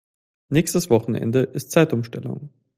Nächstes Wochenende ist Zeitumstellung.